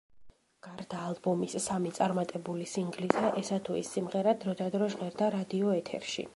გარდა ალბომის სამი წარმატებული სინგლისა, ესა თუ ის სიმღერა დრო და დრო ჟღერდა რადიოეთერში.